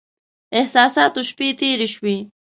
احساساتو شپې تېرې شوې.